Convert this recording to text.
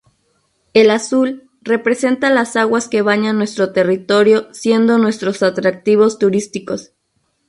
El Azul: representa las aguas que bañan nuestro territorio siendo nuestros atractivos turísticos.